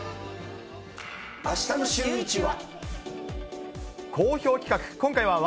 あしたのシューイチは。